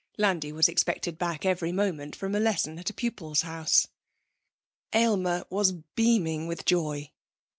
Landi was expected back every moment from a lesson at a pupil's house. Aylmer was beaming with Joy.